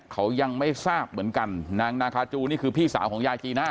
เขายังไม่ทราบเหมือนกันนางนาคาจูนี่คือพี่สาวของยายจีน่า